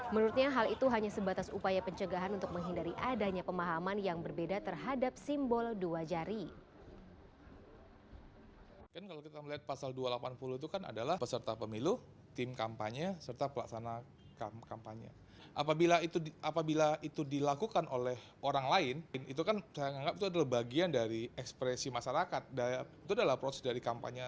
menurutnya hal itu hanya sebatas upaya pencegahan untuk menghindari adanya pemahaman yang berbeda terhadap simbol dua jari